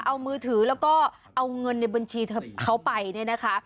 เอามือถือแล้วก็เอาเงินในบัญชีเขาไปเนี่ยนะคะ